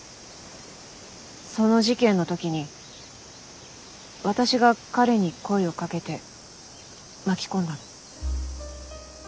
その事件の時に私が彼に声をかけて巻き込んだの。